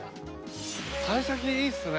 幸先いいですね。